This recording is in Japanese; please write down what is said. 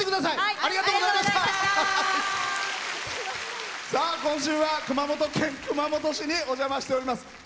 さあ今週は熊本県熊本市にお邪魔しております。